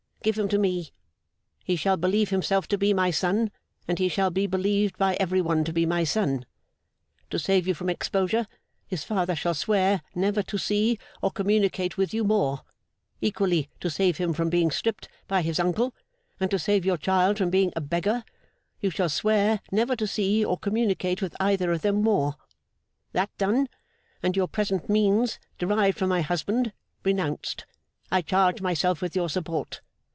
Give him to me. He shall believe himself to be my son, and he shall be believed by every one to be my son. To save you from exposure, his father shall swear never to see or communicate with you more; equally to save him from being stripped by his uncle, and to save your child from being a beggar, you shall swear never to see or communicate with either of them more. That done, and your present means, derived from my husband, renounced, I charge myself with your support.